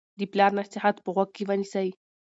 د پلار نصیحت په غوږ کې ونیسئ.